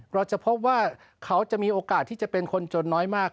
เราจะพบว่าเขาจะมีโอกาสที่จะเป็นคนจนน้อยมาก